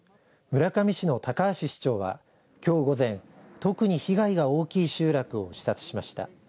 村上市の高橋市長はきょう午前、特に被害が大きい集落を視察しました。